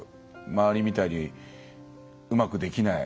周りみたいに、うまくできない。